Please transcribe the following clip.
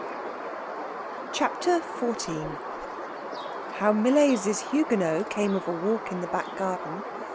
CHAPTER XIV HOW MILLAIS' "HUGUENOT" CAME OF A WALK IN THE BACK GARDEN.